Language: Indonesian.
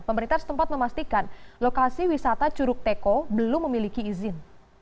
pemerintah setempat memastikan lokasi wisata curug teko belum memiliki izin